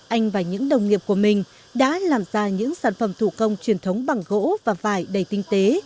anh và những đồng nghiệp của mình đã làm ra những sản phẩm thủ công truyền thống bằng gỗ và vải đầy tinh tế